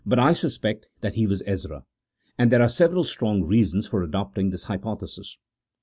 Till. suspect that lie was Ezra, and there are several strong reasons for adopting this hypothesis.